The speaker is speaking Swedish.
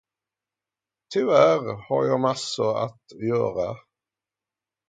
Tyvärr har jag massor att göra.